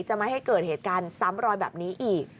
ไม่ให้เกิดเหตุการณ์ซ้ำรอยแบบนี้อีก